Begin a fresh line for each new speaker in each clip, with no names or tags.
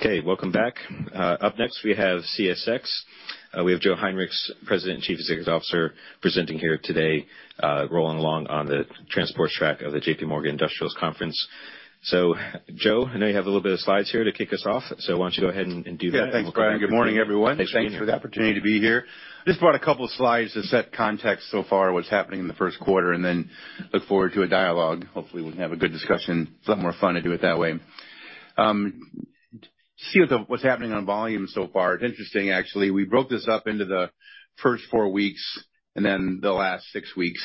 Okay, welcome back. Up next we have CSX. We have Joe Hinrichs, President and Chief Executive Officer, presenting here today, rolling along on the transport track of the JPMorgan Industrials Conference. So, Joe, I know you have a little bit of slides here to kick us off, so why don't you go ahead and do that, and we'll cut in.
Yeah, thanks, Brian. Good morning, everyone.
Thanks, Frank.
Thanks for the opportunity to be here.
Thank you.
Just brought a couple of slides to set context so far of what's happening in the first quarter, and then look forward to a dialogue. Hopefully we can have a good discussion, a lot more fun to do it that way. To see what's happening on volume so far, it's interesting, actually. We broke this up into the first four weeks and then the last six weeks.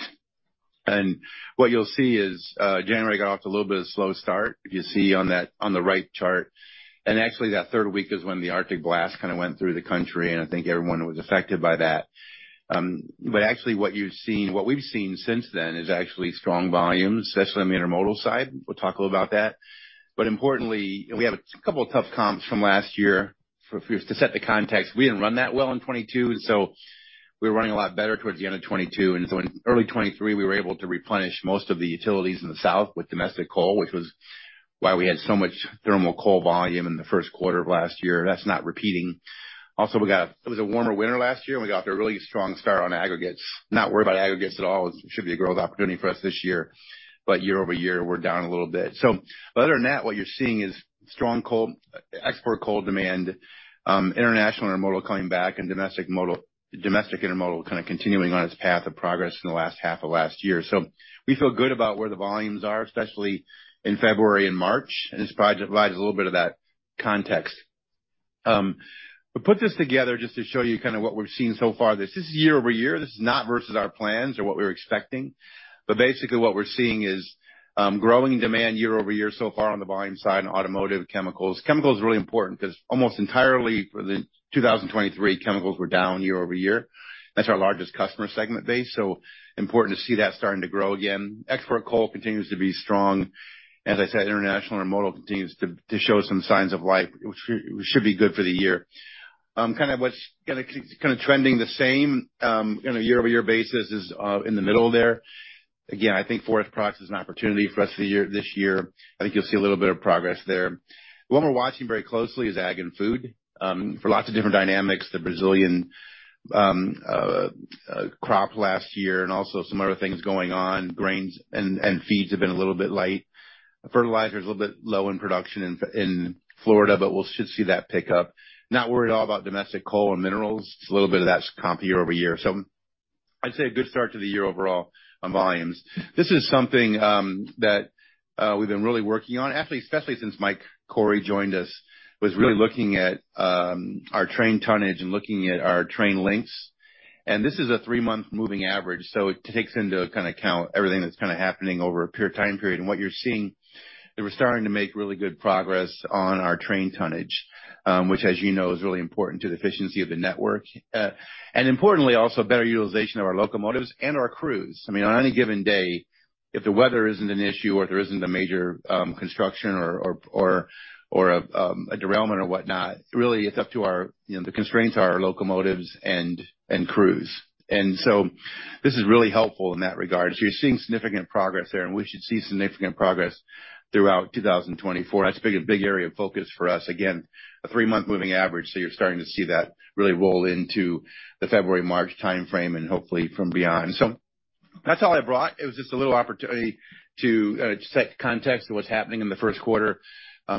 And what you'll see is, January got off to a little bit of a slow start, if you see that on the right chart. And actually that third week is when the Arctic blast kind of went through the country, and I think everyone was affected by that. But actually what we've seen since then is actually strong volumes, especially on the intermodal side. We'll talk a little about that. But importantly, we have a couple of tough comps from last year. For us to set the context, we didn't run that well in 2022, and so we were running a lot better towards the end of 2022. And so in early 2023 we were able to replenish most of the utilities in the South with domestic coal, which was why we had so much thermal coal volume in the first quarter of last year. That's not repeating. Also, we got a—it was a warmer winter last year, and we got off to a really strong start on aggregates. Not worry about aggregates at all. It should be a growth opportunity for us this year. But year-over-year we're down a little bit. So other than that, what you're seeing is strong coal, export coal demand, international intermodal coming back, and domestic modal domestic intermodal kind of continuing on its path of progress in the last half of last year. So we feel good about where the volumes are, especially in February and March, and this project provides a little bit of that context. But put this together just to show you kind of what we've seen so far. This is year-over-year. This is not versus our plans or what we were expecting. But basically what we're seeing is growing demand year-over-year so far on the volume side in automotive, chemicals. Chemicals are really important because almost entirely for the 2023 chemicals were down year-over-year. That's our largest customer segment base, so important to see that starting to grow again. Export coal continues to be strong. As I said, international intermodal continues to show some signs of life, which should be good for the year. Kind of what's kind of keeps kind of trending the same, kind of year-over-year basis is, in the middle there. Again, I think forest products is an opportunity for us for the year this year. I think you'll see a little bit of progress there. What we're watching very closely is ag and food. For lots of different dynamics, the Brazilian crop last year and also some other things going on, grains and feeds have been a little bit light. Fertilizer is a little bit low in production in Florida, but we'll should see that pick up. Not worried at all about domestic coal and minerals. It's a little bit off, that's comp year-over-year. So I'd say a good start to the year overall on volumes. This is something that we've been really working on, actually, especially since Mike Cory joined us, was really looking at our train tonnage and looking at our train lengths. And this is a three-month moving average, so it takes into account everything that's kind of happening over a period of time period. And what you're seeing, they were starting to make really good progress on our train tonnage, which, as you know, is really important to the efficiency of the network. And importantly also better utilization of our locomotives and our crews. I mean, on any given day, if the weather isn't an issue or if there isn't a major construction or a derailment or whatnot, really it's up to our you know, the constraints are our locomotives and crews. And so this is really helpful in that regard. So you're seeing significant progress there, and we should see significant progress throughout 2024. That's a big, big area of focus for us. Again, a three-month moving average, so you're starting to see that really roll into the February-March time frame and hopefully from beyond. So that's all I brought. It was just a little opportunity to set context to what's happening in the first quarter.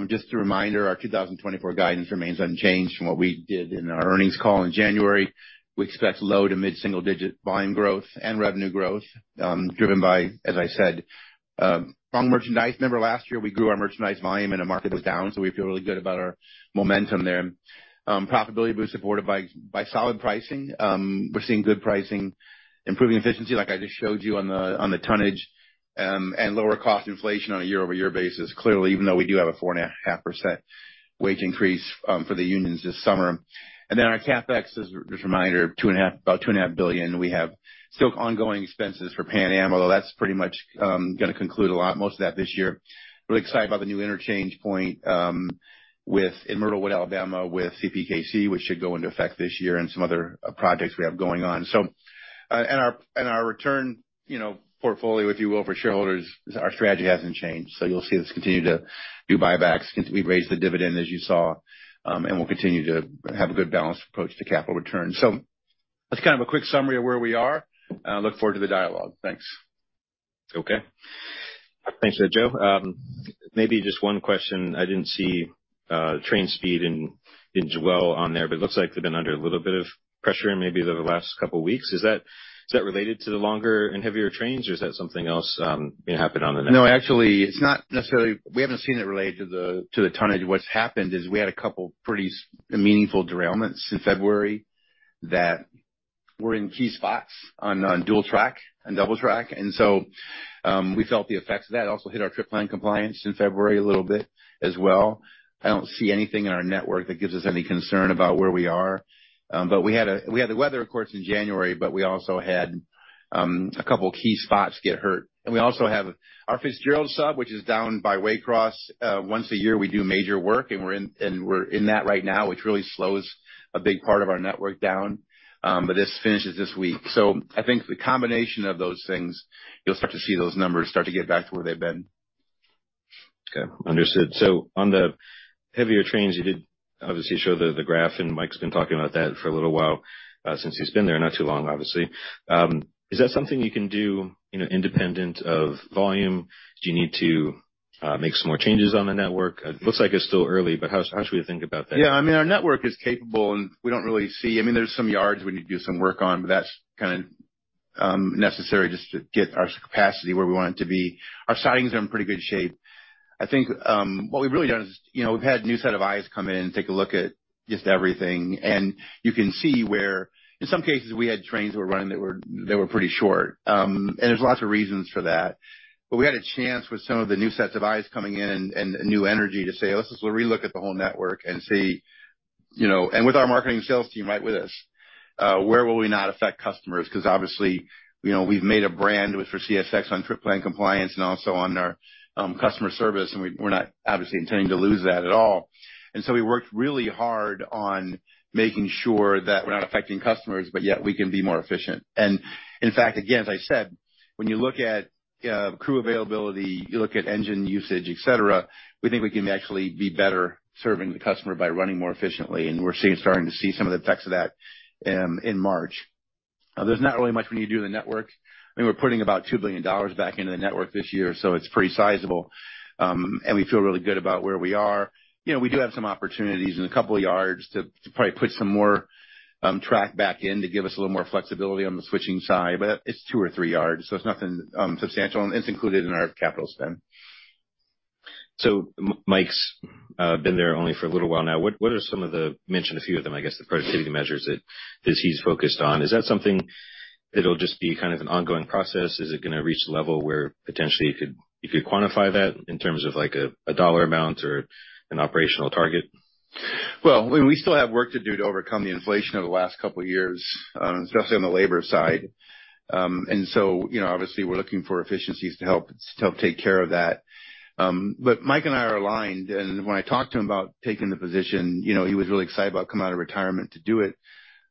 Just a reminder, our 2024 guidance remains unchanged from what we did in our earnings call in January. We expect low to mid-single digit volume growth and revenue growth, driven by, as I said, strong merchandise. Remember last year we grew our merchandise volume and the market was down, so we feel really good about our momentum there. Profitability was supported by solid pricing. We're seeing good pricing, improving efficiency like I just showed you on the tonnage, and lower cost inflation on a year-over-year basis, clearly, even though we do have a 4.5% wage increase for the unions this summer. Then our CapEx is, as a reminder, about $2.5 billion. We have still ongoing expenses for Pan Am, although that's pretty much going to conclude a lot, most of that this year. Really excited about the new interchange point with, in Myrtlewood, Alabama, with CPKC, which should go into effect this year, and some other projects we have going on. So, our return, you know, portfolio, if you will, for shareholders, our strategy hasn't changed, so you'll see us continue to do buybacks. We've raised the dividend, as you saw, and we'll continue to have a good balanced approach to capital return. That's kind of a quick summary of where we are. Look forward to the dialogue. Thanks.
Okay. Thanks for that, Joe. Maybe just one question. I didn't see train speed in the JOC on there, but it looks like they've been under a little bit of pressure maybe over the last couple of weeks. Is that related to the longer and heavier trains, or is that something else, you know, happened on the network?
No, actually, it's not necessarily. We haven't seen it related to the tonnage. What's happened is we had a couple pretty meaningful derailments in February that were in key spots on dual track and double track. And so, we felt the effects of that also hit our trip plan compliance in February a little bit as well. I don't see anything in our network that gives us any concern about where we are. But we had the weather, of course, in January, but we also had a couple key spots get hurt. And we also have our Fitzgerald Sub, which is down by Waycross. Once a year we do major work, and we're in that right now, which really slows a big part of our network down. But this finishes this week. I think the combination of those things, you'll start to see those numbers start to get back to where they've been.
Okay. Understood. So on the heavier trains, you did obviously show the graph, and Mike's been talking about that for a little while, since he's been there, not too long, obviously. Is that something you can do, you know, independent of volume? Do you need to make some more changes on the network? It looks like it's still early, but how should we think about that?
Yeah, I mean, our network is capable, and we don't really see—I mean, there's some yards we need to do some work on, but that's kind of necessary just to get our capacity where we want it to be. Our sidings are in pretty good shape. I think what we've really done is just, you know, we've had a new set of eyes come in and take a look at just everything, and you can see where in some cases we had trains that were running that were pretty short, and there's lots of reasons for that. But we had a chance with some of the new sets of eyes coming in and new energy to say, "Oh, this is a re-look at the whole network and see, you know," and with our marketing and sales team right with us, where will we not affect customers? Because obviously, you know, we've made a brand for CSX on trip plan compliance and also on our customer service, and we're not obviously intending to lose that at all. And so we worked really hard on making sure that we're not affecting customers, but yet we can be more efficient. In fact, again, as I said, when you look at crew availability, you look at engine usage, etc., we think we can actually be better serving the customer by running more efficiently, and we're seeing starting to see some of the effects of that in March. There's not really much we need to do in the network. I mean, we're putting about $2 billion back into the network this year, so it's pretty sizable. And we feel really good about where we are. You know, we do have some opportunities in a couple of yards to to probably put some more track back in to give us a little more flexibility on the switching side, but it's two or three yards, so it's nothing substantial, and it's included in our capital spend.
So Mike's been there only for a little while now. What are some of the mentioned a few of them, I guess, the productivity measures that he's focused on. Is that something that'll just be kind of an ongoing process? Is it going to reach a level where potentially you could quantify that in terms of like a dollar amount or an operational target?
Well, I mean, we still have work to do to overcome the inflation of the last couple of years, especially on the labor side. And so, you know, obviously we're looking for efficiencies to help to help take care of that. But Mike and I are aligned, and when I talked to him about taking the position, you know, he was really excited about coming out of retirement to do it,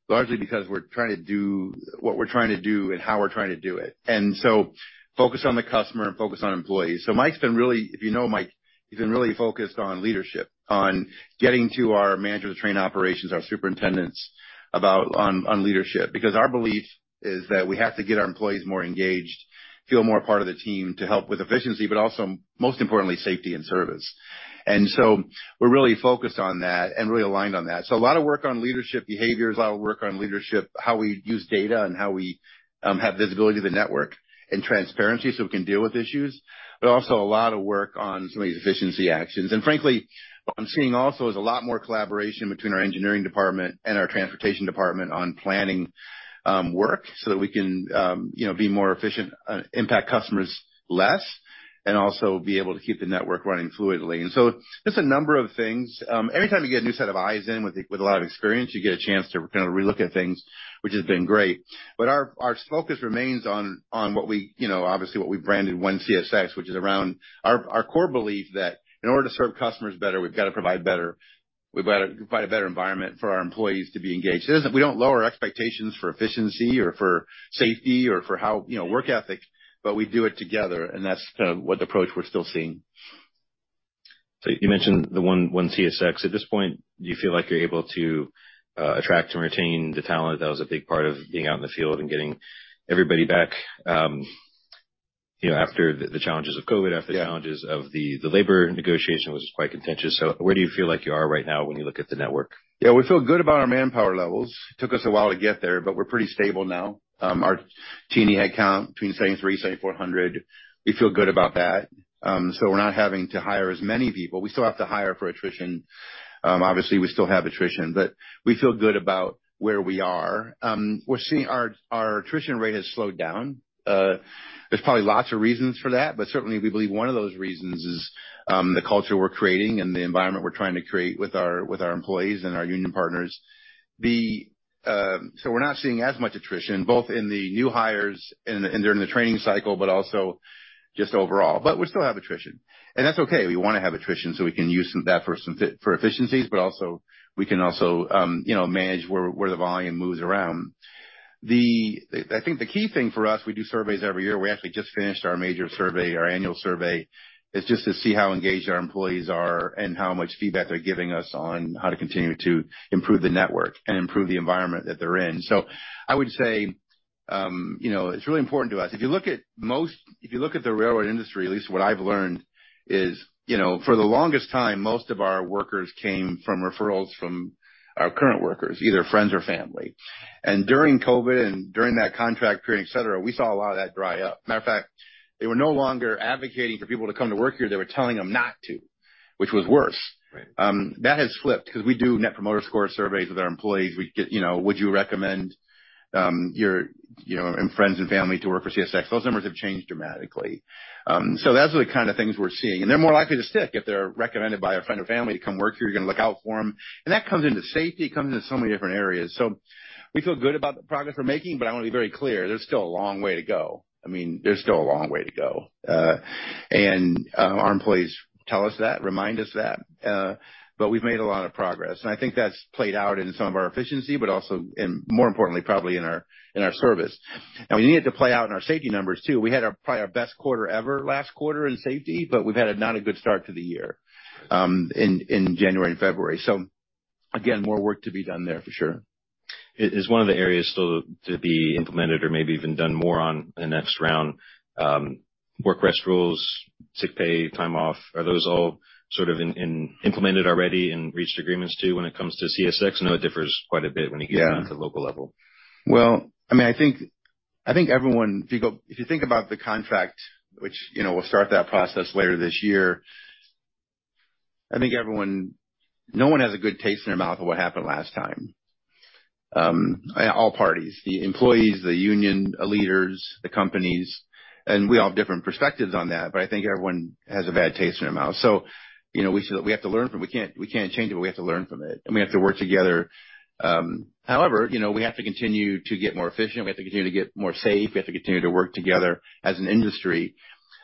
largely because we're trying to do what we're trying to do and how we're trying to do it. And so focus on the customer and focus on employees. So Mike's been really, if you know Mike, he's been really focused on leadership, on getting to our managers of train operations, our superintendents, about on, on leadership. Because our belief is that we have to get our employees more engaged, feel more part of the team to help with efficiency, but also most importantly safety and service. And so we're really focused on that and really aligned on that. So a lot of work on leadership behaviors, a lot of work on leadership, how we use data and how we have visibility to the network and transparency so we can deal with issues, but also a lot of work on some of these efficiency actions. And frankly, what I'm seeing also is a lot more collaboration between our engineering department and our transportation department on planning work so that we can, you know, be more efficient, impact customers less, and also be able to keep the network running fluidly. And so just a number of things. Every time you get a new set of eyes in with a lot of experience, you get a chance to kind of re-look at things, which has been great. But our focus remains on what we, you know, obviously what we've branded One CSX, which is around our core belief that in order to serve customers better, we've got to provide a better environment for our employees to be engaged. It isn't. We don't lower expectations for efficiency or for safety or for how, you know, work ethic, but we do it together, and that's kind of what the approach we're still seeing.
So you mentioned the One CSX. At this point, do you feel like you're able to attract and retain the talent that was a big part of being out in the field and getting everybody back, you know, after the challenges of COVID, after the challenges of the labor negotiation, which was quite contentious? So where do you feel like you are right now when you look at the network?
Yeah, we feel good about our manpower levels. It took us a while to get there, but we're pretty stable now. Our team, we had count between 7,300 and 7,400. We feel good about that. So we're not having to hire as many people. We still have to hire for attrition. Obviously we still have attrition, but we feel good about where we are. We're seeing our attrition rate has slowed down. There's probably lots of reasons for that, but certainly we believe one of those reasons is the culture we're creating and the environment we're trying to create with our employees and our union partners. So we're not seeing as much attrition, both in the new hires and during the training cycle, but also just overall. But we still have attrition, and that's okay. We want to have attrition so we can use some that for some fit for efficiencies, but also we can, you know, manage where the volume moves around. I think the key thing for us, we do surveys every year. We actually just finished our major survey, our annual survey, is just to see how engaged our employees are and how much feedback they're giving us on how to continue to improve the network and improve the environment that they're in. So I would say, you know, it's really important to us. If you look at the railroad industry, at least what I've learned is, you know, for the longest time, most of our workers came from referrals from our current workers, either friends or family. During COVID and during that contract period, etc., we saw a lot of that dry up. Matter of fact, they were no longer advocating for people to come to work here. They were telling them not to, which was worse.
Right.
That has flipped because we do net promoter score surveys with our employees. We'd get, you know, would you recommend, your, you know, and friends and family to work for CSX? Those numbers have changed dramatically. So that's the kind of things we're seeing, and they're more likely to stick if they're recommended by a friend or family to come work here. You're going to look out for them. And that comes into safety. It comes into so many different areas. So we feel good about the progress we're making, but I want to be very clear. There's still a long way to go. I mean, there's still a long way to go. And our employees tell us that, remind us that, but we've made a lot of progress. I think that's played out in some of our efficiency, but also and more importantly, probably in our in our service. Now, we need it to play out in our safety numbers too. We had our probably our best quarter ever last quarter in safety, but we've had a not a good start to the year, in, in January and February. Again, more work to be done there for sure.
Is one of the areas still to be implemented or maybe even done more on in the next round, work rest rules, sick pay, time off, are those all sort of in implemented already and reached agreements too when it comes to CSX? I know it differs quite a bit when it gets down to local level.
Yeah. Well, I mean, I think everyone, if you think about the contract, which, you know, we'll start that process later this year, I think no one has a good taste in their mouth of what happened last time, all parties, the employees, the union, leaders, the companies, and we all have different perspectives on that, but I think everyone has a bad taste in their mouth. So, you know, we have to learn from it. We can't change it, but we have to learn from it, and we have to work together. However, you know, we have to continue to get more efficient. We have to continue to get more safe. We have to continue to work together as an industry.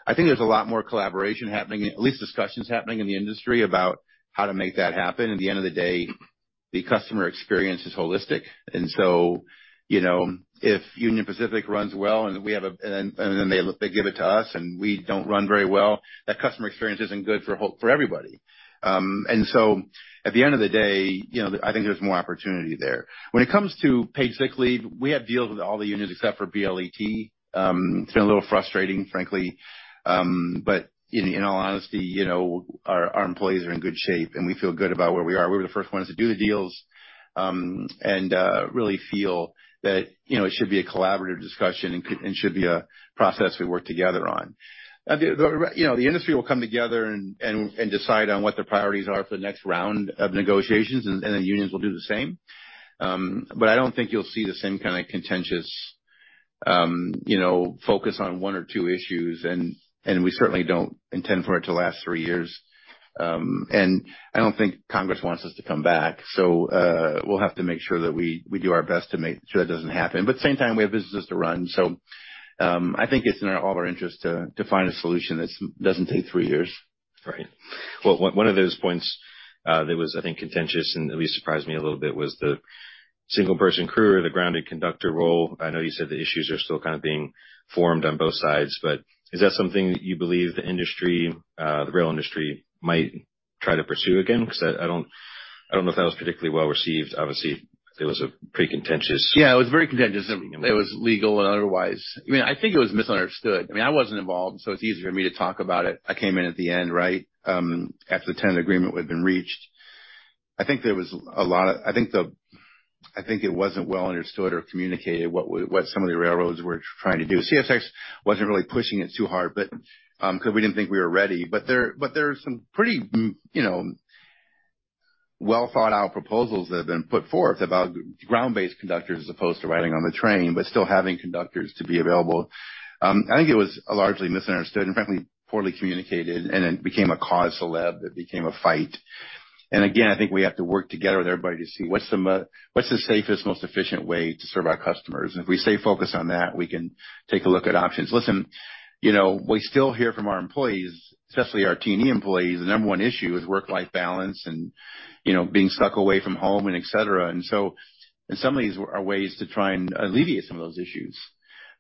I think there's a lot more collaboration happening, at least discussions happening in the industry about how to make that happen. At the end of the day, the customer experience is holistic. And so, you know, if Union Pacific runs well and we have a handoff and then they give it to us and we don't run very well, that customer experience isn't good for everybody. And so at the end of the day, you know, I think there's more opportunity there. When it comes to paid sick leave, we have deals with all the unions except for BLET. It's been a little frustrating, frankly. But in all honesty, you know, our employees are in good shape, and we feel good about where we are. We were the first ones to do the deals, and really feel that, you know, it should be a collaborative discussion and could and should be a process we work together on. You know, the industry will come together and decide on what their priorities are for the next round of negotiations, and the unions will do the same. But I don't think you'll see the same kind of contentious, you know, focus on one or two issues, and we certainly don't intend for it to last three years. And I don't think Congress wants us to come back, so we'll have to make sure that we do our best to make sure that doesn't happen. But at the same time, we have businesses to run, so I think it's in all our interest to find a solution that doesn't take three years.
Right. Well, one of those points, that was, I think, contentious and at least surprised me a little bit was the single-person crew or the grounded conductor role. I know you said the issues are still kind of being formed on both sides, but is that something that you believe the industry, the rail industry, might try to pursue again? Because I don't know if that was particularly well received. Obviously, it was a pretty contentious.
Yeah, it was very contentious. It was legal and otherwise. I mean, I think it was misunderstood. I mean, I wasn't involved, so it's easier for me to talk about it. I came in at the end, right, after the tentative agreement had been reached. I think there was a lot of misunderstanding. I think it wasn't well understood or communicated what some of the railroads were trying to do. CSX wasn't really pushing it too hard, but because we didn't think we were ready. But there are some pretty, you know, well-thought-out proposals that have been put forth about ground-based conductors as opposed to riding on the train, but still having conductors to be available. I think it was largely misunderstood and, frankly, poorly communicated, and it became a cause célèbre. It became a fight. Again, I think we have to work together with everybody to see what's the, what's the safest, most efficient way to serve our customers. If we stay focused on that, we can take a look at options. Listen, you know, we still hear from our employees, especially our T&E employees, the number one issue is work-life balance and, you know, being stuck away from home and etc. And so and some of these are ways to try and alleviate some of those issues.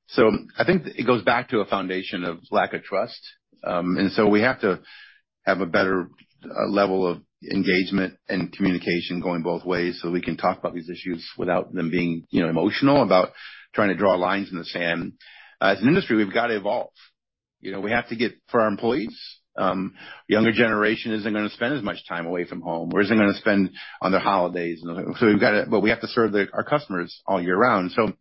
So I think it goes back to a foundation of lack of trust. And so we have to have a better level of engagement and communication going both ways so that we can talk about these issues without them being, you know, emotional about trying to draw lines in the sand. As an industry, we've got to evolve. You know, we have to get for our employees. Younger generation isn't going to spend as much time away from home or isn't going to spend on their holidays. And so we've got to but we have to serve the our customers all year round. So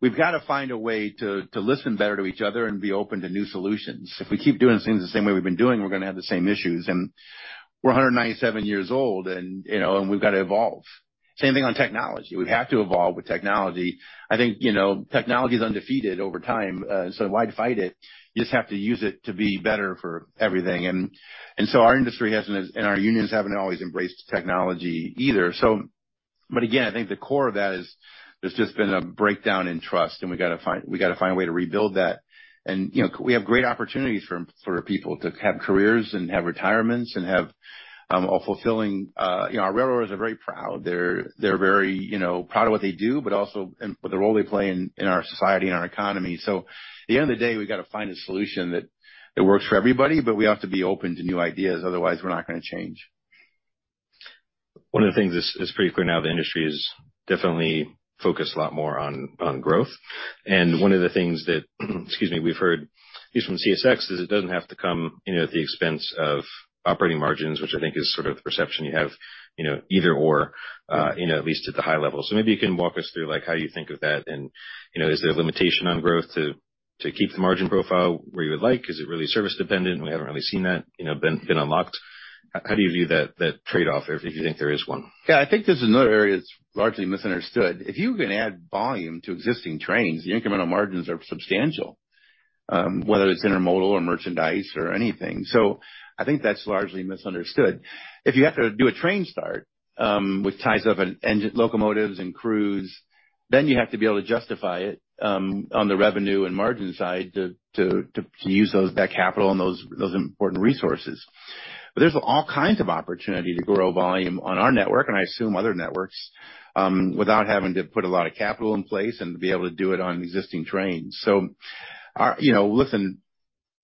we've got to find a way to listen better to each other and be open to new solutions. If we keep doing things the same way we've been doing, we're going to have the same issues. And we're 197 years old and, you know, and we've got to evolve. Same thing on technology. We've had to evolve with technology. I think, you know, technology's undefeated over time, so why fight it? You just have to use it to be better for everything. And so our industry hasn't and our unions haven't always embraced technology either. So but again, I think the core of that is there's just been a breakdown in trust, and we got to find a way to rebuild that. And, you know, we have great opportunities for people to have careers and have retirements and have a fulfilling, you know, our railroads are very proud. They're very, you know, proud of what they do, but also and with the role they play in our society and our economy. So at the end of the day, we got to find a solution that works for everybody, but we have to be open to new ideas. Otherwise, we're not going to change. One of the things is pretty clear now. The industry is definitely focused a lot more on growth. And one of the things that excuse me, we've heard at least from CSX is it doesn't have to come, you know, at the expense of operating margins, which I think is sort of the perception you have, you know, either or, you know, at least at the high level. So maybe you can walk us through, like, how you think of that and, you know, is there a limitation on growth to keep the margin profile where you would like? Is it really service-dependent? We haven't really seen that, you know, been unlocked. How do you view that trade-off if you think there is one? Yeah, I think there's another area that's largely misunderstood. If you can add volume to existing trains, the incremental margins are substantial, whether it's intermodal or merchandise or anything. So I think that's largely misunderstood. If you have to do a train start, which ties up an engine locomotives and crews, then you have to be able to justify it, on the revenue and margin side to use that capital and those important resources. But there's all kinds of opportunity to grow volume on our network, and I assume other networks, without having to put a lot of capital in place and to be able to do it on existing trains. So, you know, listen,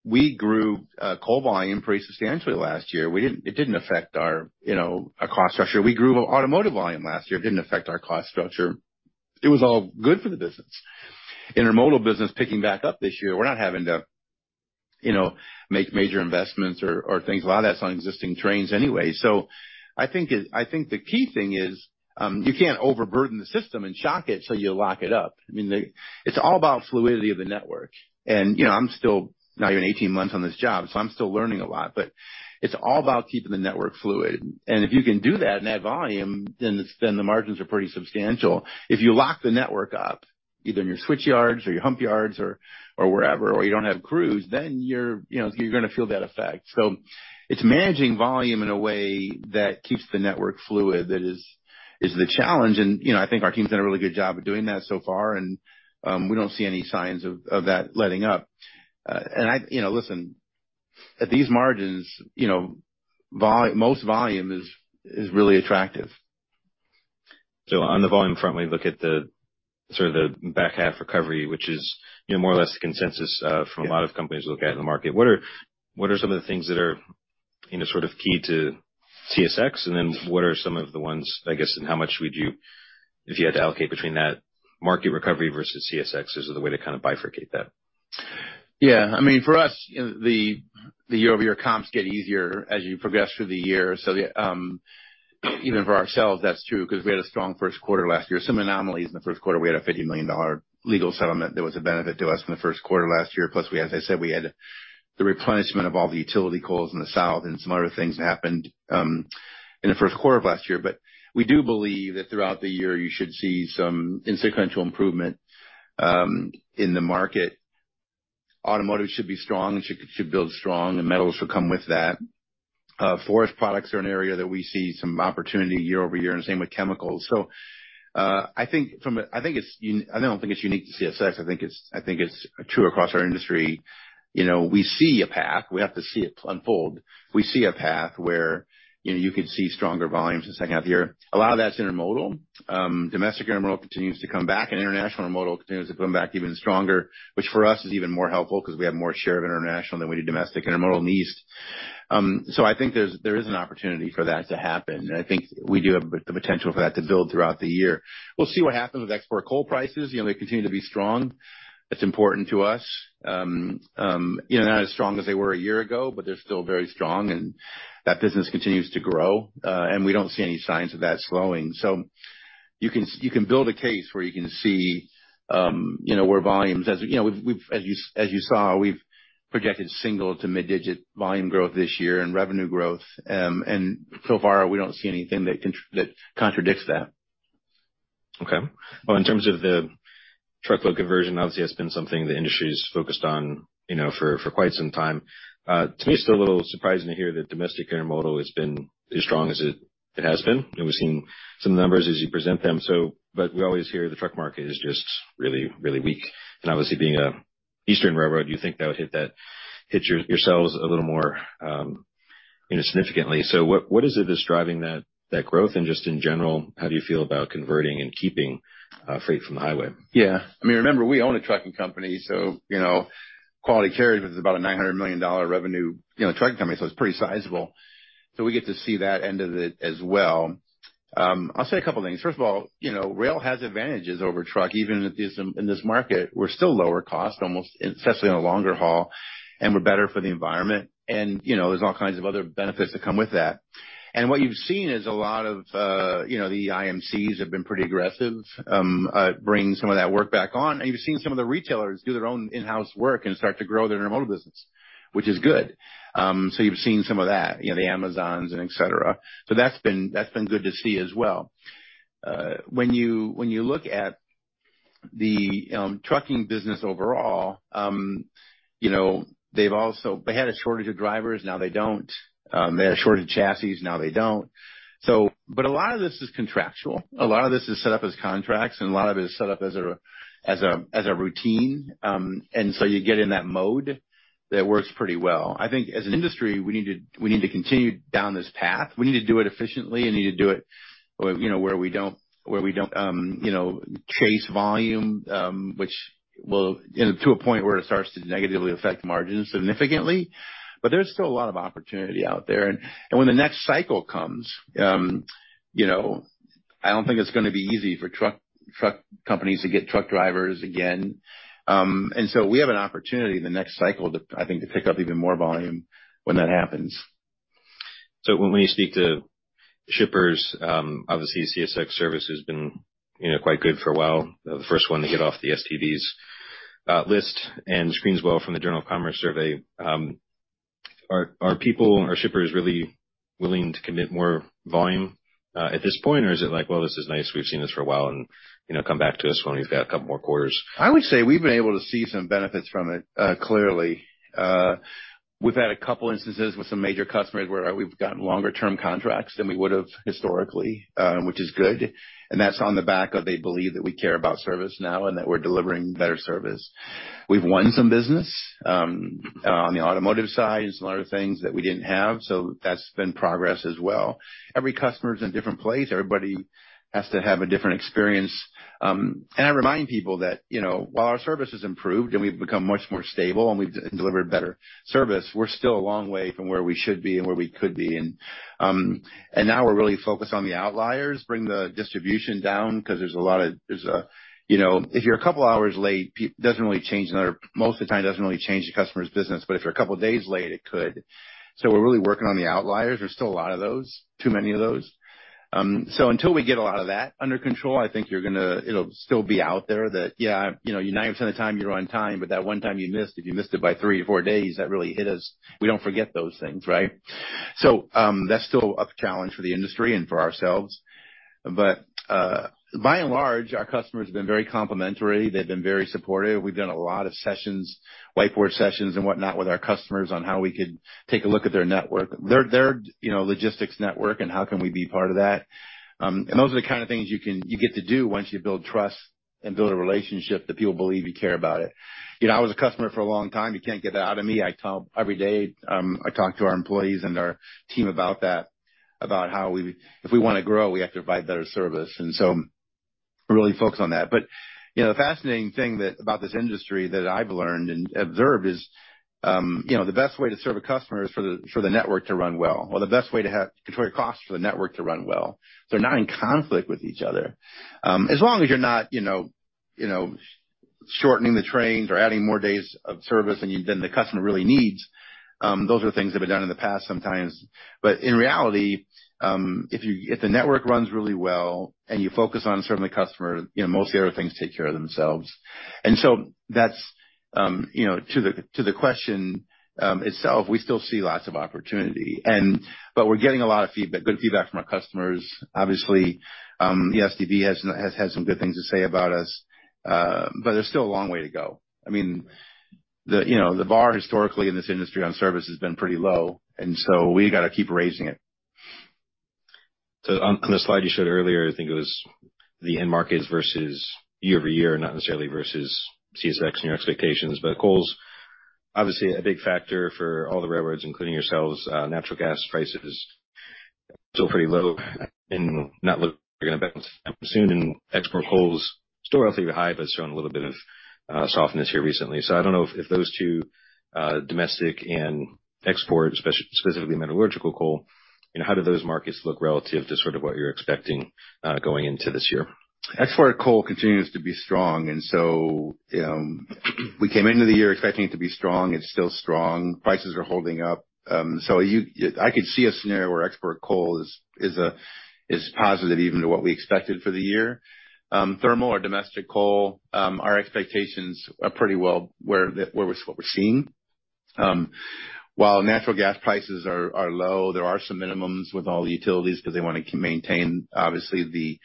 we grew coal volume pretty substantially last year. We didn't; it didn't affect our, you know, our cost structure. We grew automotive volume last year. It didn't affect our cost structure. It was all good for the business. Intermodal business picking back up this year. We're not having to, you know, make major investments or things. A lot of that's on existing trains anyway. So I think the key thing is, you can't overburden the system and shock it so you lock it up. I mean, it's all about fluidity of the network. And, you know, I'm still not even 18 months on this job, so I'm still learning a lot, but it's all about keeping the network fluid. And if you can do that and add volume, then the margins are pretty substantial. If you lock the network up, either in your switch yards or your hump yards or wherever, or you don't have crews, then you're, you know, you're going to feel that effect. So it's managing volume in a way that keeps the network fluid. That is the challenge. And, you know, I think our team's done a really good job of doing that so far, and we don't see any signs of that letting up. And, you know, listen, at these margins, you know, vol most volume is really attractive.
So on the volume front, we look at the sort of the back half recovery, which is, you know, more or less the consensus from a lot of companies look at in the market. What are some of the things that are, you know, sort of key to CSX, and then what are some of the ones, I guess, and how much would you if you had to allocate between that market recovery versus CSX. Is it the way to kind of bifurcate that?
Yeah. I mean, for us, you know, the year-over-year comps get easier as you progress through the year. So even for ourselves, that's true because we had a strong first quarter last year. Some anomalies in the first quarter. We had a $50 million legal settlement that was a benefit to us in the first quarter last year. Plus, as I said, we had the replenishment of all the utility coals in the South and some other things that happened in the first quarter of last year. But we do believe that throughout the year, you should see some sequential improvement in the market. Automotive should be strong and should, should build strong, and metals should come with that. Forest products are an area that we see some opportunity year-over-year, and same with chemicals. So, I think it's not unique to CSX. I think it's true across our industry. You know, we see a path. We have to see it unfold. We see a path where, you know, you could see stronger volumes in the second half of the year. A lot of that's intermodal. Domestic intermodal continues to come back, and international intermodal continues to come back even stronger, which for us is even more helpful because we have more share of international than we do domestic intermodal needs. So I think there is an opportunity for that to happen, and I think we do have the potential for that to build throughout the year. We'll see what happens with export coal prices. You know, they continue to be strong. That's important to us. You know, not as strong as they were a year ago, but they're still very strong, and that business continues to grow. And we don't see any signs of that slowing. So you can you can build a case where you can see, you know, where volumes as, you know, we've, we've as you as you saw, we've projected single- to mid-digit volume growth this year and revenue growth. And so far, we don't see anything that contr that contradicts that. Okay. Well, in terms of the truckload conversion, obviously, that's been something the industry's focused on, you know, for, for quite some time. To me, it's still a little surprising to hear that domestic intermodal has been as strong as it, it has been. And we've seen some numbers as you present them. So but we always hear the truck market is just really, really weak. And obviously, being an Eastern railroad, you think that would hit that hit your, yourselves a little more, you know, significantly. So what, what is it that's driving that, that growth? And just in general, how do you feel about converting and keeping, freight from the highway? Yeah. I mean, remember, we own a trucking company, so, you know, Quality Carriers is about a $900 million revenue, you know, trucking company, so it's pretty sizable. So we get to see that end of it as well. I'll say a couple of things. First of all, you know, rail has advantages over truck, even if there's some in this market. We're still lower cost, almost, especially on a longer haul, and we're better for the environment. And, you know, there's all kinds of other benefits that come with that. And what you've seen is a lot of, you know, the IMCs have been pretty aggressive, bring some of that work back on. And you've seen some of the retailers do their own in-house work and start to grow their intermodal business, which is good. So you've seen some of that, you know, the Amazons and etc. So that's been good to see as well. When you look at the trucking business overall, you know, they've also had a shortage of drivers. Now they don't. They had a shortage of chassis. Now they don't. But a lot of this is contractual. A lot of this is set up as contracts, and a lot of it is set up as a routine. And so you get in that mode that works pretty well. I think as an industry, we need to continue down this path. We need to do it efficiently. We need to do it, you know, where we don't chase volume, which will, you know, to a point where it starts to negatively affect margins significantly. But there's still a lot of opportunity out there. And when the next cycle comes, you know, I don't think it's going to be easy for truck companies to get truck drivers again. And so we have an opportunity in the next cycle to, I think, to pick up even more volume when that happens.
So when you speak to shippers, obviously, CSX service has been, you know, quite good for a while. They're the first one to get off the STB's list and scores well from the Journal of Commerce Survey. Are people or shippers really willing to commit more volume, at this point, or is it like, "Well, this is nice. We've seen this for a while," and, you know, come back to us when we've got a couple more quarters?
I would say we've been able to see some benefits from it, clearly. We've had a couple instances with some major customers where we've gotten longer-term contracts than we would have historically, which is good. And that's on the back of they believe that we care about service now and that we're delivering better service. We've won some business, on the automotive side and some other things that we didn't have. So that's been progress as well. Every customer's in a different place. Everybody has to have a different experience. And I remind people that, you know, while our service has improved and we've become much more stable and we've delivered better service, we're still a long way from where we should be and where we could be. Now we're really focused on the outliers, bring the distribution down because there's a lot of, you know, if you're a couple hours late, it doesn't really change another most of the time, it doesn't really change the customer's business. But if you're a couple days late, it could. So we're really working on the outliers. There's still a lot of those, too many of those. So until we get a lot of that under control, I think you're going to, it'll still be out there that, "Yeah, you know, you 90% of the time, you're on time. But that one time you missed, if you missed it by three or four days, that really hit us." We don't forget those things, right? So, that's still a challenge for the industry and for ourselves. But, by and large, our customers have been very complimentary. They've been very supportive. We've done a lot of sessions, whiteboard sessions and whatnot with our customers on how we could take a look at their network, you know, logistics network, and how can we be part of that. Those are the kind of things you can get to do once you build trust and build a relationship that people believe you care about it. You know, I was a customer for a long time. You can't get that out of me. I tell every day, I talk to our employees and our team about that, about how we if we want to grow, we have to provide better service. So really focus on that. But, you know, the fascinating thing about this industry that I've learned and observed is, you know, the best way to serve a customer is for the network to run well or the best way to have control your costs for the network to run well. They're not in conflict with each other. As long as you're not, you know, shortening the trains or adding more days of service than the customer really needs, those are things that have been done in the past sometimes. But in reality, if the network runs really well and you focus on serving the customer, you know, most of the other things take care of themselves. And so that's, you know, to the question itself, we still see lots of opportunity. We're getting a lot of feedback, good feedback from our customers. Obviously, the STB has had some good things to say about us, but there's still a long way to go. I mean, you know, the bar historically in this industry on service has been pretty low, and so we got to keep raising it.
So, on the slide you showed earlier, I think it was the end markets versus year-over-year, not necessarily versus CSX and your expectations, but coal's obviously a big factor for all the railroads, including yourselves. Natural gas prices are still pretty low and not looking good soon. And export coal's still relatively high, but it's shown a little bit of softness here recently. So I don't know if those two, domestic and export, specifically metallurgical coal, you know, how do those markets look relative to sort of what you're expecting, going into this year?
Export coal continues to be strong. And so, we came into the year expecting it to be strong. It's still strong. Prices are holding up. So you I could see a scenario where export coal is a positive even to what we expected for the year. Thermal or domestic coal, our expectations are pretty well where we're seeing. While natural gas prices are low, there are some minimums with all the utilities because they want to maintain, obviously,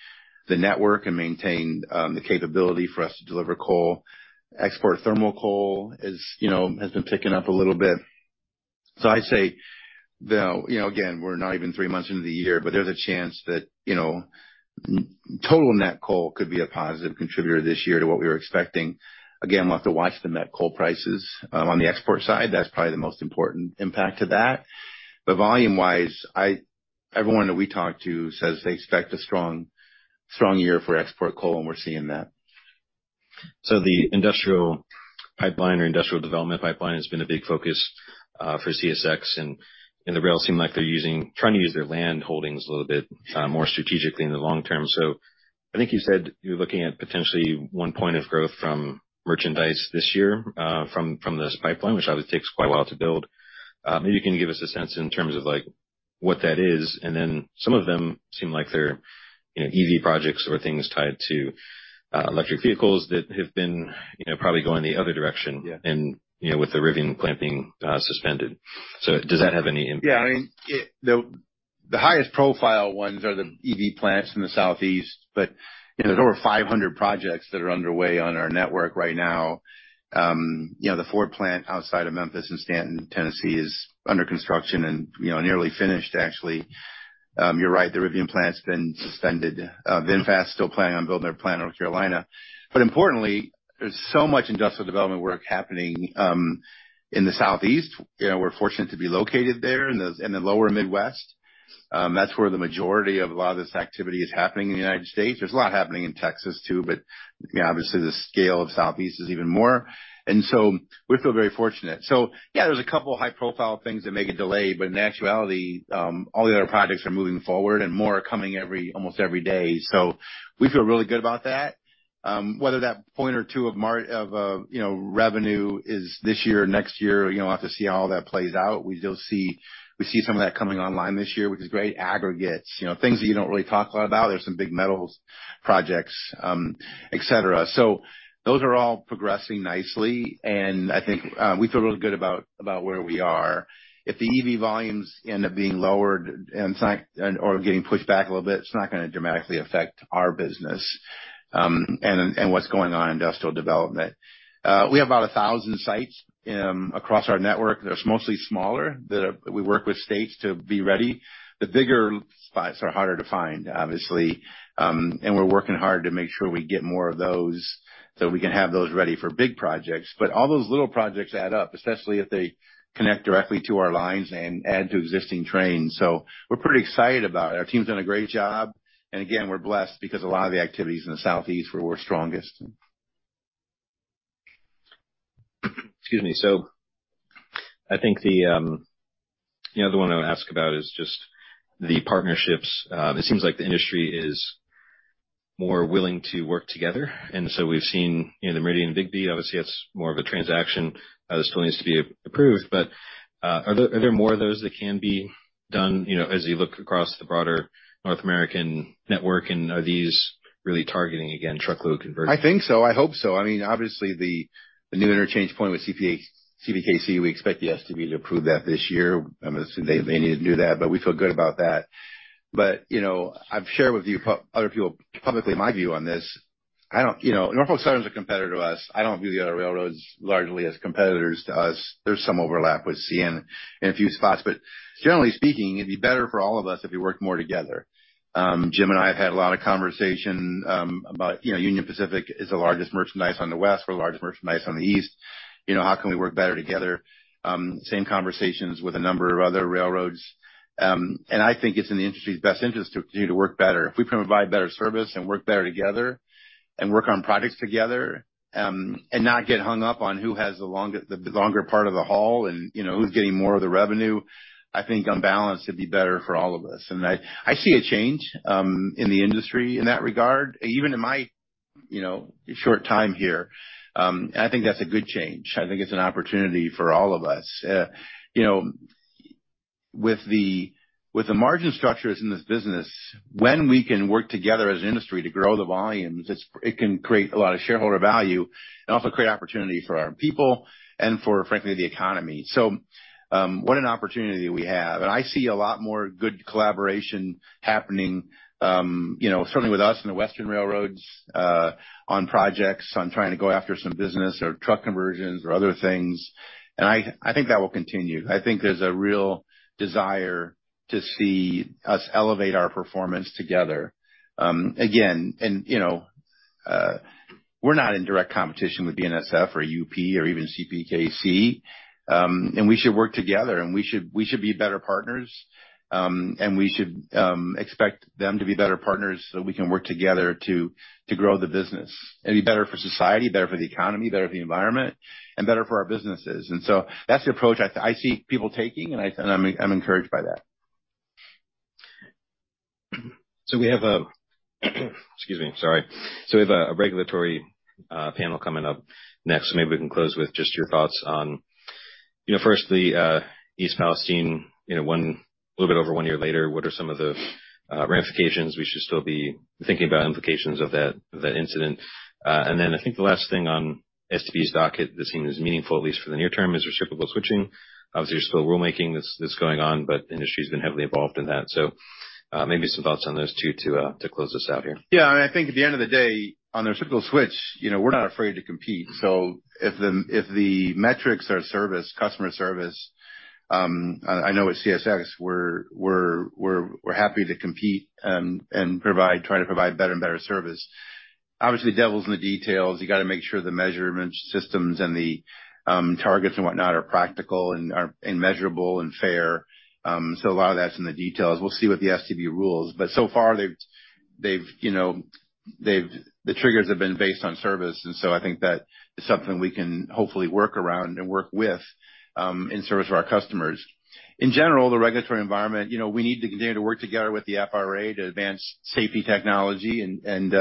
the network and maintain the capability for us to deliver coal. Export thermal coal, you know, has been picking up a little bit. So I'd say, though, you know, again, we're not even three months into the year, but there's a chance that, you know, total net coal could be a positive contributor this year to what we were expecting. Again, we'll have to watch the net coal prices. On the export side, that's probably the most important impact to that. But volume-wise, everyone that we talk to says they expect a strong, strong year for export coal, and we're seeing that.
So the industrial pipeline or industrial development pipeline has been a big focus for CSX. And the rail seem like they're trying to use their land holdings a little bit more strategically in the long term. So I think you said you're looking at potentially 1 point of growth from merchandise this year, from this pipeline, which obviously takes quite a while to build. Maybe you can give us a sense in terms of, like, what that is. And then some of them seem like they're, you know, EV projects or things tied to electric vehicles that have been, you know, probably going the other direction and, you know, with the ribbon cutting suspended. So does that have any impact?
Yeah. I mean, it's the, the highest profile ones are the EV plants in the Southeast. But, you know, there's over 500 projects that are underway on our network right now. You know, the Ford plant outside of Memphis and Stanton, Tennessee, is under construction and, you know, nearly finished, actually. You're right. The Rivian plant's been suspended. VinFast's still planning on building their plant in North Carolina. But importantly, there's so much industrial development work happening in the Southeast. You know, we're fortunate to be located there in the lower Midwest. That's where the majority of a lot of this activity is happening in the United States. There's a lot happening in Texas, too, but, you know, obviously, the scale of Southeast is even more. And so we feel very fortunate. So yeah, there's a couple of high-profile things that make a delay. But in actuality, all the other projects are moving forward, and more are coming almost every day. So we feel really good about that. Whether that point or two of margin, you know, revenue is this year or next year, you know, we'll have to see how all that plays out. We still see some of that coming online this year, which is great. Aggregates, you know, things that you don't really talk a lot about. There's some big metals projects, etc. So those are all progressing nicely. And I think we feel really good about where we are. If the EV volumes end up being lowered and/or getting pushed back a little bit, it's not going to dramatically affect our business, and what's going on in industrial development. We have about 1,000 sites across our network. They're mostly smaller that we work with states to be ready. The bigger spots are harder to find, obviously. We're working hard to make sure we get more of those so we can have those ready for big projects. But all those little projects add up, especially if they connect directly to our lines and add to existing trains. So we're pretty excited about it. Our team's done a great job. And again, we're blessed because a lot of the activities in the Southeast were where we're strongest.
Excuse me. So I think the, you know, the one I want to ask about is just the partnerships. It seems like the industry is more willing to work together. And so we've seen, you know, the Meridian and Bigbee. Obviously, that's more of a transaction. This still needs to be approved. But, are there more of those that can be done, you know, as you look across the broader North American network? And are these really targeting, again, truckload conversion?
I think so. I hope so. I mean, obviously, the new interchange point with CPKC, we expect the STB to approve that this year. Obviously, they need to do that. But we feel good about that. But, you know, I've shared with you other people publicly my view on this. I don't, you know, Norfolk Southern's a competitor to us. I don't view the other railroads largely as competitors to us. There's some overlap we're seeing in a few spots. But generally speaking, it'd be better for all of us if we worked more together. Jim and I have had a lot of conversation, about, you know, Union Pacific is the largest merchandise on the West. We're the largest merchandise on the East. You know, how can we work better together? Same conversations with a number of other railroads. I think it's in the industry's best interest to continue to work better. If we provide better service and work better together and work on projects together, and not get hung up on who has the longer the longer part of the haul and, you know, who's getting more of the revenue, I think, on balance, it'd be better for all of us. I, I see a change, in the industry in that regard, even in my, you know, short time here. I think that's a good change. I think it's an opportunity for all of us. You know, with the with the margin structures in this business, when we can work together as an industry to grow the volumes, it's it can create a lot of shareholder value and also create opportunity for our people and for, frankly, the economy. What an opportunity we have. And I see a lot more good collaboration happening, you know, certainly with us and the Western Railroads, on projects, on trying to go after some business or truck conversions or other things. And I, I think that will continue. I think there's a real desire to see us elevate our performance together, again. And, you know, we're not in direct competition with BNSF or UP or even CPKC. And we should work together. And we should we should be better partners. And we should expect them to be better partners so we can work together to, to grow the business and be better for society, better for the economy, better for the environment, and better for our businesses. And so that's the approach I think I see people taking. And I and I'm encouraged by that.
So we have a regulatory panel coming up next. So maybe we can close with just your thoughts on, you know, first, the East Palestine, you know, one a little bit over one year later, what are some of the ramifications? We should still be thinking about implications of that incident. And then I think the last thing on STB's docket that seems meaningful, at least for the near term, is reciprocal switching. Obviously, there's still rulemaking that's going on, but the industry's been heavily involved in that. So, maybe some thoughts on those two to close this out here.
Yeah. I mean, I think at the end of the day, on the reciprocal switch, you know, we're not afraid to compete. So if the metrics are service, customer service, I know with CSX, we're happy to compete and try to provide better and better service. Obviously, devil's in the details. You got to make sure the measurement systems and the targets and whatnot are practical and measurable and fair. So a lot of that's in the details. We'll see what the STB rules. But so far, they've, you know, the triggers have been based on service. And so I think that is something we can hopefully work around and work with, in service of our customers. In general, the regulatory environment, you know, we need to continue to work together with the FRA to advance safety technology and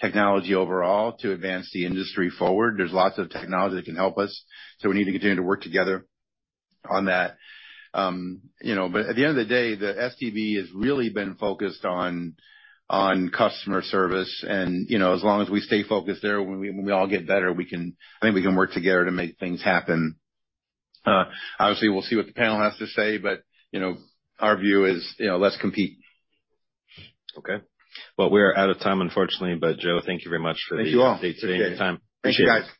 technology overall to advance the industry forward. There's lots of technology that can help us. So we need to continue to work together on that. You know, but at the end of the day, the STB has really been focused on customer service. And, you know, as long as we stay focused there, when we all get better, we can I think we can work together to make things happen. Obviously, we'll see what the panel has to say. But, you know, our view is, you know, let's compete.
Okay. Well, we're out of time, unfortunately. But, Joe, thank you very much for the.
Thank you all.
your time. Appreciate it.
Thank you, guys.